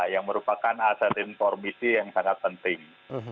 yang merupakan aset informasi yang sangat penting